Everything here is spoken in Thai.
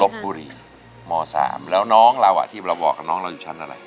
บุรีม๓แล้วน้องเราอ่ะที่เราบอกกับน้องเราอยู่ชั้นอะไร